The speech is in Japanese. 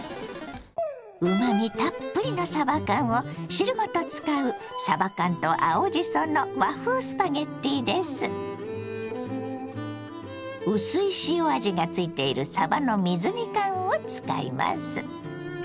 うまみたっぷりのさば缶を汁ごと使う薄い塩味がついているさばの水煮缶を使います。